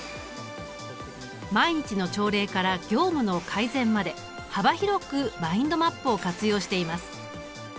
毎日の朝礼から業務の改善まで幅広くマインドマップを活用しています。